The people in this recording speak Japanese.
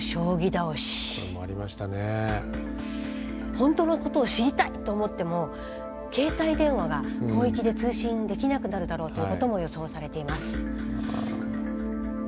本当のことを知りたいと思っても携帯電話が広域で通信できなくなるだろうということも予想されています。